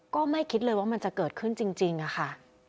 ก็ไม่คิดเลยว่ามันจะเกิดขึ้นจริงค่ะ